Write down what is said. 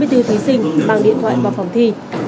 bốn mươi bốn thí sinh bằng điện thoại vào phòng thi